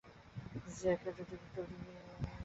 সে চিঠিটি কুচিকুচি করে ছিঁড়ে ফেলে দিল জানালা দিয়ে।